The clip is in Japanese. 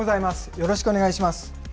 よろしくお願いします。